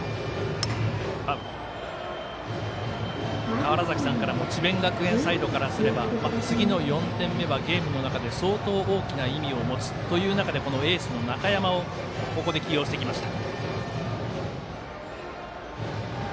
川原崎さんからも智弁学園サイドからすれば次の４点目はゲームの中で相当大きな意味を持つという中でこのエースの中山をここで起用してきました。